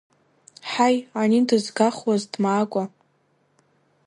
Ҳаи, ани дызгахуаз, дмаакәа!